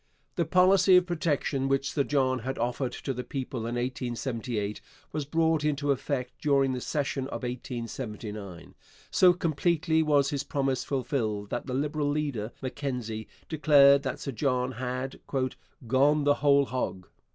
The policy of protection which Sir John had offered to the people in 1878 was brought into effect during the session of 1879. So completely was his promise fulfilled that the Liberal leader, Mackenzie, declared that Sir John had 'gone the whole hog.'